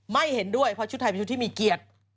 ไม่เห็นด้วยเพราะชุดไทยเป็นชุดที่มีเกียรติ